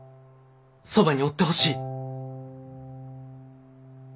そばにおってほしい。